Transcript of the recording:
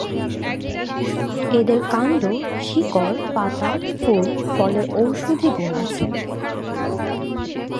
এদের কাণ্ড, শিকড়, পাতা, ফুল, ফলের ঔষধি গুণ আছে।